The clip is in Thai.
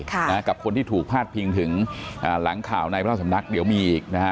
ของคนที่ถูกพลาดพิงถึงหลังข่าวในบริธาสำนักเดี๋ยวมีอีกนะครับ